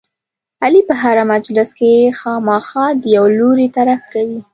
علي په هره مجلس کې خامخا د یوه لوري طرف کوي.